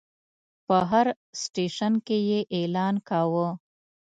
په هر سټیشن کې یې اعلان کاوه.